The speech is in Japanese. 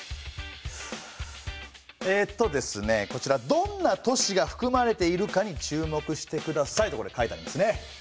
「どんな都市が含まれているかに注目して下さい」とこれ書いてありますね。